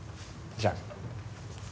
じゃあ。